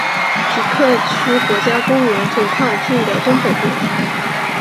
皮克区国家公园横跨郡的东北部。